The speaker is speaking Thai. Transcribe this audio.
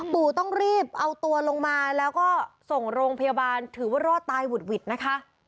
ปู่ต้องรีบเอาตัวลงมาแล้วก็ส่งโรงพยาบาลถือว่ารอดตายหุดหวิดนะคะ